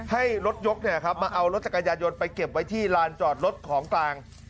ให้รถยกมาเอารถจักรยานยนต์ไปเก็บไว้ที่ลานจอดรถของกลาง